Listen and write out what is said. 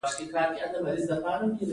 اوس د مبارزې پړاوونه په عملي توګه پیلیږي.